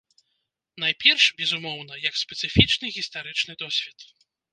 Найперш, безумоўна, як спецыфічны гістарычны досвед.